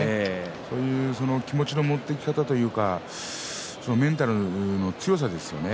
そういう気持ちの持っていき方というかメンタルの強さですね。